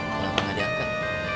kenapa gak diangkat